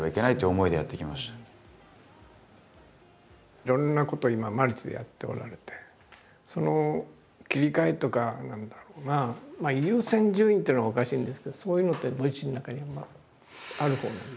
いろんなことを今マルチでやっておられてその切り替えとか何だろうなまあ優先順位っていうのはおかしいんですけどそういうのってご自身の中に今あるほうなんですかね？